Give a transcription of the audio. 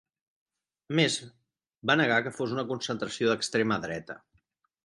A més, va negar que fos una concentració d’extrema dreta.